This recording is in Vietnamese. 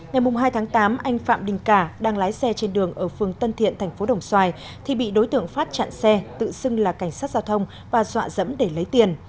ngày hai tháng tám anh phạm đình cả đang lái xe trên đường ở phường tân thiện thành phố đồng xoài thì bị đối tượng phát chặn xe tự xưng là cảnh sát giao thông và dọa dẫm để lấy tiền